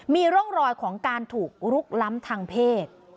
มีร่องรอยของการถูกลุกล้ำทางเพศ